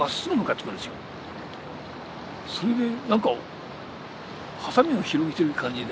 それでなんかハサミを広げてる感じで。